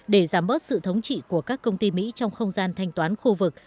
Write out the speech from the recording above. để giảm bớt sự thống trị của các công ty mỹ trong không gian thanh toán khu vực